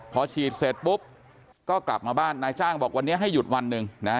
พอฉีดเสร็จปุ๊บก็กลับมาบ้านนายจ้างบอกวันนี้ให้หยุดวันหนึ่งนะ